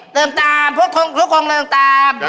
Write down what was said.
ลืมตามพวกทุกลูกองค์ลืมตามได้